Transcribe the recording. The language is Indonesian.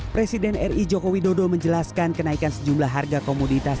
presiden ri joko widodo menjelaskan kenaikan sejumlah harga komoditas